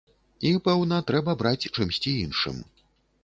І, пэўна, трэба браць чымсьці іншым.